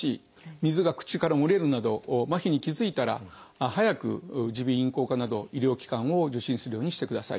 水が口から漏れるなど麻痺に気付いたら早く耳鼻咽喉科など医療機関を受診するようにしてください。